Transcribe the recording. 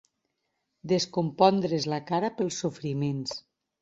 Descompondre's la cara pels sofriments.